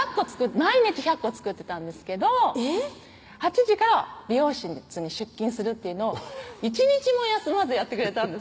毎日１００個作ってたんですけど８時から美容室に出勤するっていうのを１日も休まずやってくれたんです